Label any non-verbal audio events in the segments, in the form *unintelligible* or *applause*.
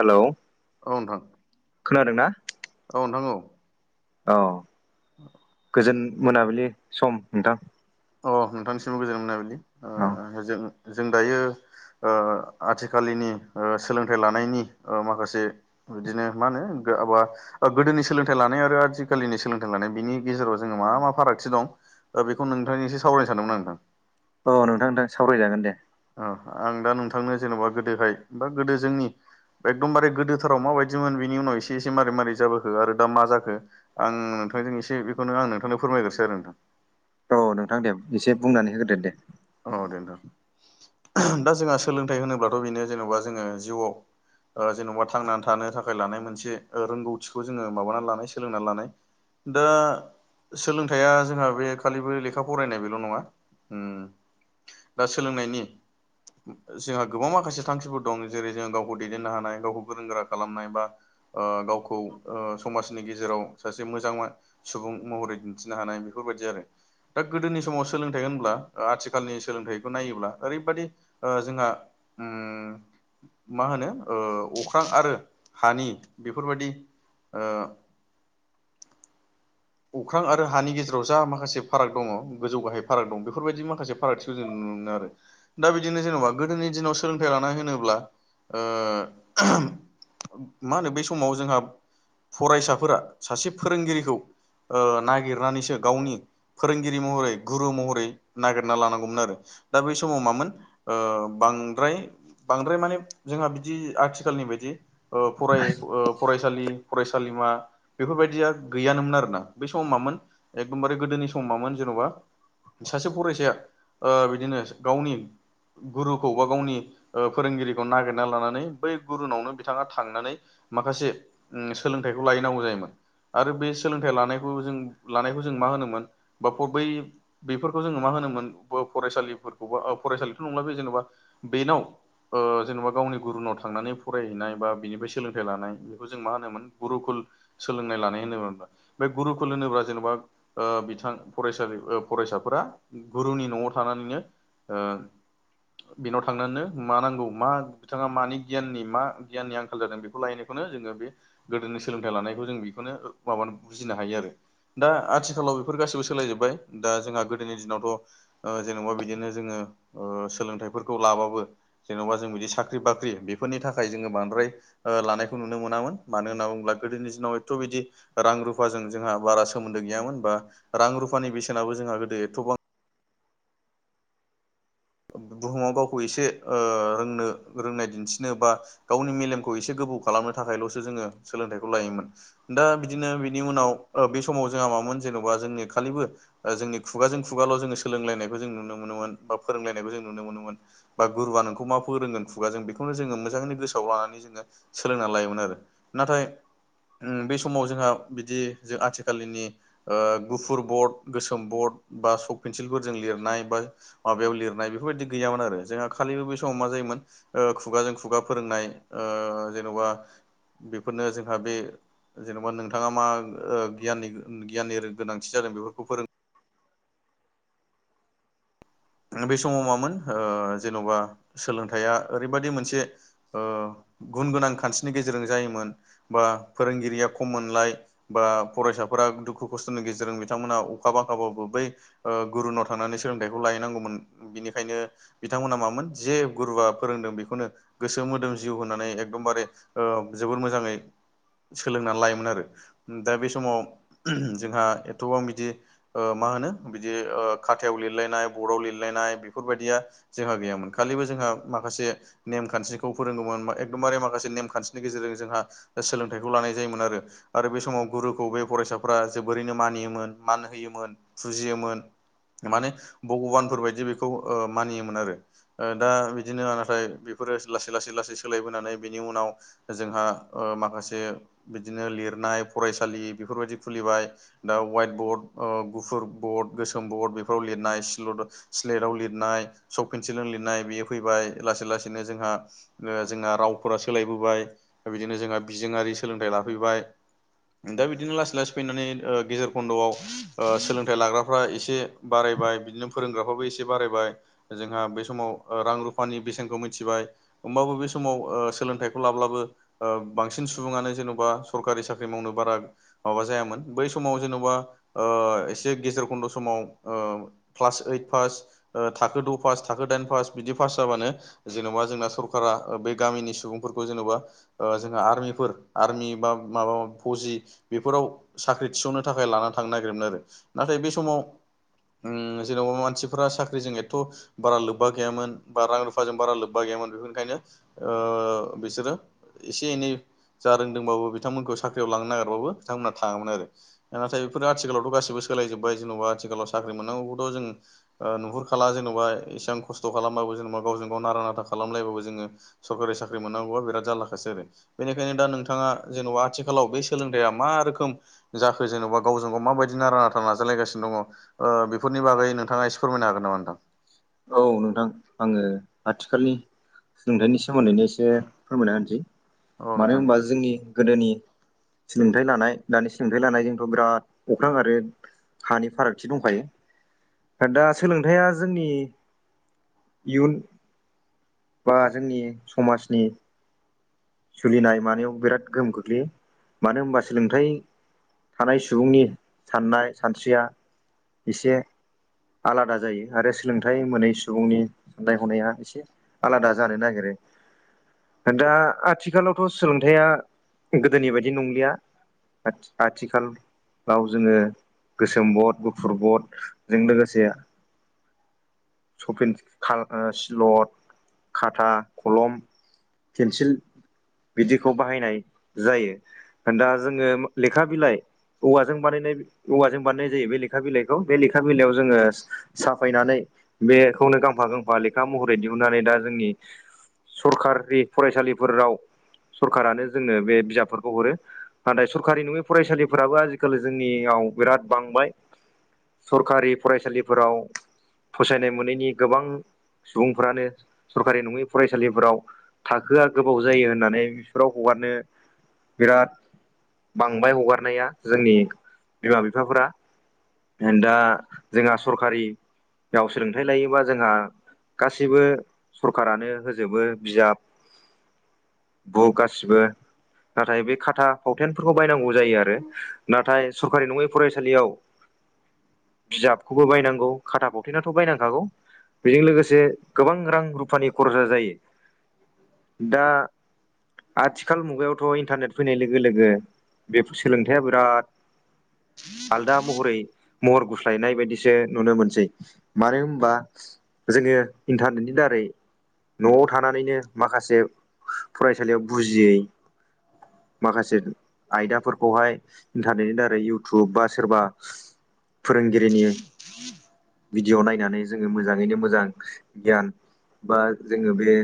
Hello! औ नोंथां। खोनादोंना औ नोंथां औ। औ गोजोन मोनाबिलि सम नोंथां। अ नोंथांनिसिमबो गोजोन मोनाबिलि। औ। ओ जों जों दायो ओ आथिखालिनि ओ सोलोंथाइ लानायनि ओ माखासे बिदिनो मा होनो गाबा ओ गोदोनि सोलोंथाइ लानाय आरो आथिखालिनि सोलोंथाइ लानाय बिनि गेजेराव जोङो मा मा फारागथि दं ओ बेखौ नोंथांनि एसे सावरायनो सानदोंमोन आं नोंथां। औ नोंथां नोंथां सावरायजागोन दे। ओ आं दा नोंथांनो जेन'बा गोदोहाय बा गोदो जोंनि एकदमबारे गोदोथाराव माबायदिमोन बेनि उनाव एसे एसे मारै मारै जाबोखो आरो दा मा जाखो। आं नोंथांजों एसे बेखौनो आं नोंथांनो फोरमायग्रोसै आरो नोंथां। औ नोंथां दे एसे बुंनानै होग्रोदो दे। औ दे नोथां। दा जोंहा सोलोंथाइ होनोब्लाथ' बेनो जेनेबा जोङो जिउआव ओ जेन'बा थांनानै थानो थाखाय लानाय मोनसे ओ रोंगौथिखौ जोङो माबानानै लानाय सोलोंनानै लानाय। दा सोलोंथाइया जोंहा बे खालिबो लेखा फरायनाय बेल' नङा ओम दा सोलोंनायनि जोंहा गोबां माखासे थांखिफोर दं जेरै जोङो गावखौ दैदेननो हानाय गावखौ गोरों गोरा खालामनाय बा ओ गावखौ ओ समाजनि गेजेराव सासे मोजां मा सुबुं महरै दिन्थिनो हानाय बेफोरबायदि आरो। दा गोदोनि समाव सोलोंथाइ होनब्ला ओ आथि खालनि सोलोंथाइखौ नायोब्ला ओरैबादि ओ जोंहा ओम मा होनो ओ अख्रां आरो हानि बेफोरबायदि ओ अख्रां आरो हानि गेजेराव जा माखासे फाराग दङ गोजौ गाहाय फाराग दं बेफोरबायदि माखासे फारागथिखौ जों नुनो मोनो आरो। दा बिदिनो जेनेबा गोदोनि दिनाव सोलोंथाइ लानाय होनोब्ला ओ मा होनो बे समाव जोंहा फरायसाफोरा सासे फोरोंगिरिखौ ओ नागिरनानैसो गावनि फोरोंगिरि महरै गुरु महरै नागिरना लानांगौमोन आरो। दा बै समाव मामोन ओ बांद्राय बांद्राय माने जोंहा बिदि आथिखालनि बायदि ओ फराय ओ फरायसालि फरायसालिमा बेफोरबायदिया गैयानोमोन आरोना। बे सम मामोन एकदमबारे गोदोनि समामोन जेन'बा सासे फरायसाया ओ बिदिनो गावनि गुरुखौ बा गावनि ओ फोरोंगिरिखौ नागिरना लानानै बै गुरुनावनो बिथाङा थांनानै माखासे उम सोलोंथाइखौ लाहैनांगौ जायोमोन आरो बे सोलोंथाइ लानाय खौ जों लानायखौ जों मा होनोमोन बा *unintelligible* बै बेफोरखौ जोङो मा होनोमोन ब फरायसालिफोरखौ बा अ फरायसालिथ' नंला बे जेनेबा बेनाव ओ जेनेबा गावनि गुरुनाव थांनानै फरायहैनाय बा बिनिफ्राय सोलोंथाइ लानाय बेखौ जों मा होनोमोन गुरुकुल सोलोंनाय लानाय होनोमोन। बे गुरुकुल होनोब्ला जेनेबा ओ बिथां फरायसालि ओ फरायसाफोरा गुरुनि न'आव थानानैनो ओ बिनाव थांनानैनो मा नांगौ मा बिथाङा मानि गियाननि मा गियाननि आंखाल जादों बेखौ लाहैनायखौनो जोङो बे गोदोनि सोलोंथाइ लानायखौ जों बेखौनो माबानो बुजिनो हायो आरो दा आथिखालाव बेफोर गासैबो सोलायजोबबाय दा जोंहा गोदोनि दिनावथ' ओ जेनेबा बिदिनो जोङो ओ सोलोंथाइफोरखौ लाबाबो जेन'बा जों बिदि साख्रि बाख्रि बेफोरनि थाखाय जोङो बांद्राय ओ लानायखौ नुनो मोनामोन मानो होनना बुङोब्ला गोदोनि दिनाव एथ' बिदि रां रुफ फाजों जोंहा बारा सोमोन्दो गैयामोन बा रां रुफानि बेसेनाबो जोंहा गोदो एथबां बुहुमाव गावखौ एसे ओ रोंनो रोंनाय दिन्थिनो बा गावनि मेलेमखौ एसे गोबौ खालामनो थाखायल'सो जोङो सोलोंथाइखौ लायोमोन। दा बिदिनो बिनि उनाव ओ बे समाव जोंहा मामोन जेन'बा जोंनि खालिबो ओ जोंनि खुगाजों खुगाल' जोङो सोलोंलायनायखौ जों नुनो मोनोमोन बा फोरोंलायनायखौ जों नुनो मोनोमोन। बा गुरुवा नोंखौ मा फोरोंगोन खुगाजों बेखौनो जोङो मोजाङैनो गोसोआव लानानै जोङो सोलोंना लायोमोन आरो। नाथाय ओ बे समाव जोंहा बिदि जों आथिखालिनि गुफुर बर्ड गोसोम बर्ड बा सक पेन्सिलफोरजों लिरनाय बा माबायाव लिरनाय बेफोरबायाददि गैयामोन आरो जोंहा खालिबो बे समाव मा जायोमोन खुगाजों खुगा फोरोंनाय ओ जेन'बा बेफोरनो जोंहा बे जेन'बा नोंथाङा मा ओ गियनि गियाननि गोनांथि जादों बेफोरखौ फोरों बे समाव मामोन जेन'बा सोलोंथाइया ओरैबाददि मोनसे ओ गुन गोनां खान्थिनि गेजेरजों जायोमोन बा फोरोंगिरिया खम मोनलाय बा फरायसाफोरा दुखु खस्थ'नि गेजेरजों बिथांमोना अखा बांखाबाबो बै ओ गुरुनाव थांनानै सोलोंथाइखौ लाहैनांगौन। बिनिखायनो बिथांमोना मामोन जे गुरुवआ फोरोंदों बेखौनो गोसो मोदोम जिउ होनानै एकदमबारे ओ जोबोर मोजाङै सोलोंनानै लायोमोन आरो। दा बे समाव जोंहा एथ'बां बिदि मा होनो बिदि ओ खाथायाव लिरलायनाय बराव लिरलायनाय बेफोरबायदिया जोंहा गैयामोन खालिबो जोंहा माखासे नेमखान्थिखौ फोरोदोंमोन एकदबारे माखासे नेमखान्थिनि गेजेरजों जोंहा सोलोंथाइखौ लानाय जायोमोन आरो। आरो बे समाव गुरुखौ बे फरायसाफ्रा जोबोरैनो मानियोमोन मान होयोमोन फुजियोमोन। माने भगबानफोरबायदि बेखौ मानियोमोन आरो। दा बिदिनो नाथाय बेफोरो लासै लासै लासै सोलायबोनानै बिनि उनाव जोंहा ओ माखासे बिदिनो लिरनाय फरायसालि बेफोरबायदि खुलिबाय दा वाइट बर्ड ओ गुफुर बर्ड गोसोम बर्ड बेफोराव लिरनाय सिल' स्लेटाव लिरनाय सक पेन्सिलजों लिरनाय बेयो फैबाय लासै लासैनो जोंहा जोंहा रावफोरा सोलायबोबाय बिदिनो जोंहा बिजोंआरि सोलोंथाइ लाफैबाय। दा बिदिनो लासै लासै फैनानै ओ गेजेर खन्द'आव ओ सोलोंथाइ लाग्राफ्रा एसे बारायबाय बिदिनो फोरोंग्राफ्राबो एसे बारायबाय। जोंहा बे समाव रां रुफानि बेसेनखौ मिथिबाय। होमबाबो बे समाव ओ सोलोंथाइखौ लाब्लाबो ओ बांसिन सुबुङानो जेन'बा सरकारि साख्रि मावनो बारा माबा जायामोन बै समाव जेन'बा ओ एसे गेजेर खन्द' समाव ओ क्लास ओइट पास थाखो द' पास थाखो दाइन पास बिदि पास जाबानो जेन'बा जोंना सरकारा बे गामिनि सुबुंफोरखौ जेन'बा जोंहा आर्मिफोर आर्मि बा माबा फौजि बेफोराव साख्रि थिसननो थाखाय लाना थांनो नागिरोमोन आरो नाथाय बे समाव ओम जेनबा मान नसिफोरा साख्रिजों एथ' बारा लोब्बा गैमोन बा रां रुफाजों बारा लोब्बा गैयामोन बेनिखायनो ओ बिसोरो एसे एनै जा रोंदोंबाबो बिथांमोनखौ साख्रियाव लांनो नागिरबाबो बिथांमोनहा थाङामोन आरो। नाथाय बेफोर आथिखालावथ' गासिबो सोलायजोब्बाय जेन'बा आथिखालाव साख्रि मोननांगौबोथ' जों नुहुरखाला जेन'बा इसां खस्थ' खालामबाबो जेनेबा गावजों गाव नारा नाथा खालामलायबाबो जोङो सरकारि साख्रि मोननांगौओ बिराद जारलाखासै आरो। बेनिखायनो दा नोंथाङा जेन'बा आथिखालाव बे सोलोंथाइया मा रोखोम जाखो जेन'बा गावजों गाव माबायदि नारा नाथा नाजालायगासिनो दङ ओ बेफोरनि बागै नोंथाङा फोरमायनो हागोन नामा नोंथां? औ नोंथां आङो आथिखालनि सोलोंथाइनि सोमोन्दैनो एसे फोरमायना होनोसै औ मानो नोंथां दे। होनबा जोंनि गोदोनि सोलोंथाइ लानाय दानि सोलोंथाइ लानायजोंथ' बिराद अख्रां आरो हानि फारागथि दंखायो दा सोलोंथाइया जोंनि इयुन बा जोंनि समाजनि सोलिनाय मानायाव बिराद गोहोम खख्लैयो मानो होनबा सोलोंथाय थानाय सुबुंनि साननाय सानस्रिया एसे आलादा जायो आरो सोलोंथाइ मोनै सुबुंनि साननाय हनाया एसे आलादा जानो नागिरो दा आथिखालावथ' सोलोंथाइया गोदोनि बायदि नंलिया आथिखाल गाव जोङो गोसोम बट गुफुर बटजों लोगोसे सफिन खा सिलद खाथा खलम माबा पेन्सिल बिदिखौ बाहायनाय जायो दा जोङो लेखा बिलाइ औवाजों बानायनाय औवाजों बानायनाय जायो बे लेखा बिलाइखौ बे लेखा बिलाइयाव जोङो साफायनानै बेखौनो गांफा गांफा लेखा महरै दिहुननानै दा जोंनि सरकारि फरायसालिफोराव सरखारानो जोंनो बे बिजाबफोरखौ हरो। नाथाय सरखारि नङै फरायसालिफोराबो आजिखालि जोंनियाव बिराद बांबाय। सरखारि फरायसालिफोराव फसायनाय मोनैनि गोबां सुबुंफ्रानो सरखारि नङै फरायसालिफोराव थाखोआ गोबाव जायो। होननानै बिसोराव हगारनो बिराद बांबाय हगारनाया जोंनि बिमा-बिफाफोरा दा जोंहा सरखारि बेयाव सोलोंथाइ लायोबा जोंहा गाैसैबो सरखारानो होजोबो बिजाब बुक गासिबो नाथाय बे खाथा फावथेनफोरखौ बायनांगौ जायो आरो। नाथाय सरकारि नङै फरायसालियाव बिजाबखौबो बायनांगौ खाथा पावथेनाथ' बायनांखागौ। बेजों लोगोसे गोबां रां रुफानि खरसा जायो दा आथिखाल मुगायावथ' इन्टारनेट फैनाय लोगो लोगो बेफोर सोलोंथाया बिराद आलदा महरै महर गुस्लायनाय बायदिसो नुनो मोनसै। मानो होनबा जोङो इन्टारनेटनि दारै न'आव थानानैनो माखासे फरायसालियाव बुजियै माखासे आयदाफोरखौहाय इन्टारनेटनि दारै इउटुब बा सोरबा फोरोंगिरिनि भिडिय' नायनानै जोङो मोजाङैनो मोजां गियान बा जोङो बे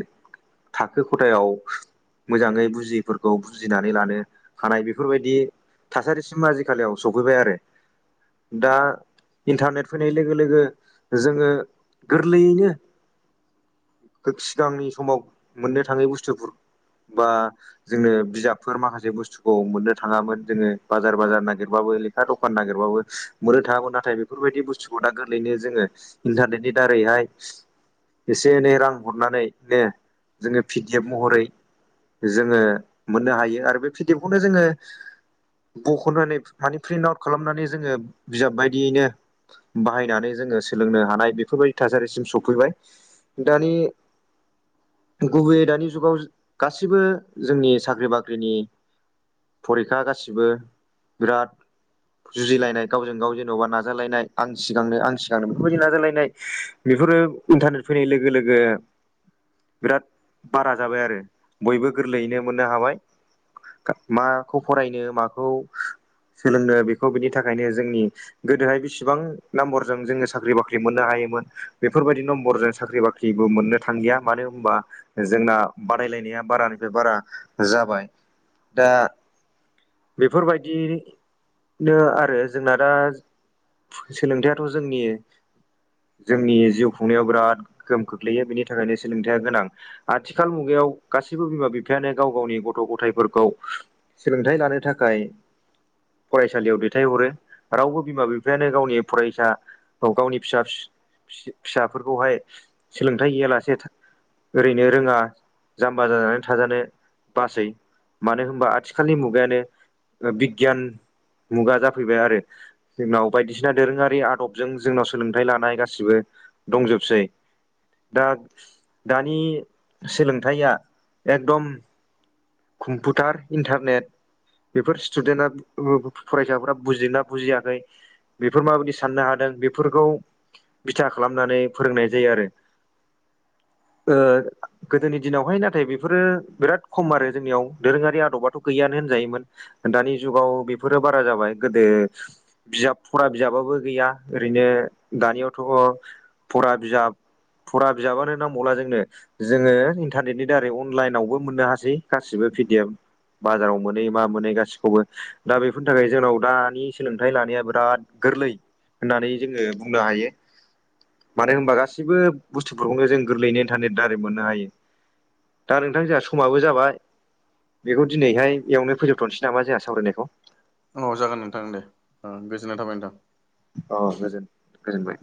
थाखो ख'थायाव मोजाङै बुजयिफोरखौ बुजिनानै लानो हानाय बेफोरबायदि थासारिसिम आजिखालियाव सफैबाय आरो दा इन्टारनेट फैनाय लोगो लोगो जोङो गोरलैयैनो सिगांनि समाव मोननो थाङै बुस्थुफोर बा जोंनो बिजाबफोर माखासे बुस्थुखौ मोननो थाङामोन जोङो बाजार बाजार नागिरबाबो दा दखान नागिरबाबो मोनै थाङामोन नाथाय बेफोरबायदि बुस्थुखौ गोरलैनो जोङो इन्टारनेटनि दारैहाय एसे एनै रां हरनानैनो पि डि एफ महरै जोङो मोननो हायो आरो बे पिडि एफ खौनो जोङो बख'नानै मानि प्रिन्ट आउट खालामनानै जोङो बिजाब बायदियैनो बाहायनानै जोङो सोलोंनो हानाय बेफोरबायदि थासारिसिम सफैबाय दानि गुबैयै दानि जुगाव गासिबो जोंनि साख्रि बाख्रिनि फरिखा गासिबो बिराद जुजिलायनाय गावजों गाव जेन'बा नाजालायनाय आं सिगांनो आं सिगांनो बेफोरबायदि नाजालायनाय बेफोरो इन्टारनेट फैनाय लोगो लोगो बिराद बारा जाबाय आरो बयबो गोरलैयैनो मोननो हाबाय माखौ फरायनो माखौ सोलोंनो बेखौ बिनि थाखायनो जोंनि गोदोहाय बेसिबां नाम्बरजों जोङो साख्रि बाख्रि मोननो हायोमोन बेफोरबायदि नम्बरजों साख्रि बाख्रि बाख्रिबो मोननो थांलिया मानो होनबा जोंना बादायलायनाया बारानिफ्राय बारा जाबाय दा बेफोरबायदिनो आरो जोंना दा सोलोंथायाइथ' जोंनि जोंनि जिउ खुंनायाव बिराद गोहोम खोख्लैयो बेनि थाखायनो सोलोंथायाइया गोनां आथिखाल मुगायाव गासैबो बिमा बिफायानो गाव गावनि गथ' गथायफोरखौ सोलोंथाइ लानो थाखाय फरायसालियाव दैथायहरो रावबो बिमा बिफायानो गावनि फरायसा औ गावनि फिसा फिसाफोरखौहाय सोलोंथाइ गैयालासे नोरोङा जाम्बा जानानै थाजानो बासै मानो होनबा आथिखालनि मुगायानो बिगियान मुगा जाफैबाय आरो जोंनाव बायदिसिना दोरोङारि आदबजों जोंनाव सोलोंथाइ लानाय गासिबो दंजोबसै दा दानि सोलोंथाइया एकदम कम्पिउटार इन्टारनेट बेफोर स्थुदेन्टा फरायसाफोरा बुजिदोंना बुजियाखै बेफोर माबायदि साननो हादों बेफोरखौ बिथा खालामनानै फोरोंनाय जायो आरो ओ गोदोनि दिनावहाय नाथाय बेफोरो बिराद खम आरो जोंनियाव दोरोङारि आदबाथ' गैयानो होनजायोमोन दानि जुगाव बेफोरो बारा जाबाय गोदो बिजाब फरा बिजाबाबो गैया ओरैनो दानियावथ' फरा बिजाब फरा बिजाबानो नांबावला जोंनो जोङो इन्टारनेटनि दारै अनलाइनावबो मोननो हासै गासिबो पि डि एफ बाजाराव मोनै मा मोनै गासिखौबो दा बेफोरनि थाखाय जोंनाव दानि सोलोंथाइ लानाया बिराद गोरलै होननानै जोङो बुंनो हायो मानो होनबा गासैबो बुस्थुफोरखौनो जों गोरलैयैनो इन्टारनेट दारै मोननो हायो दा नोंथां जोंहा समाबो जाबाय बेखौ दिनैहाय एवनो फोजोबथ'नोसै नामा जोंहा सावरायनायखौ औ जागोन नोंथां दे गोजोननाय थाबाय नोंथां अ गोजो गोजोनबाय